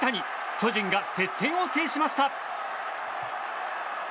巨人が接戦を制しました。